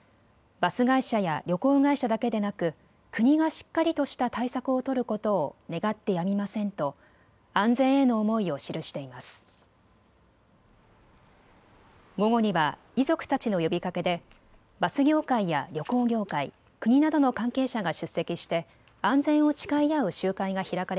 バス会社や旅行会社だけでなく国がしっかりとした対策を取ることを願ってやみませんと安全への思いを記しています。